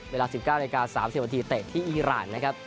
เวลา๑๙นาที๓๐นาทีเตะที่อีรานนะครับ